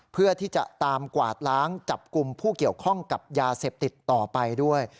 เพื่อที่จะตามกวาดล้างจับกลุ่มผู้เกี่ยวข้องกับยาเสพติดต่อไปด้วย